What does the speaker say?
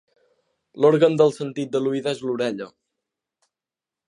L'òrgan del sentit de l'oïda és l'orella.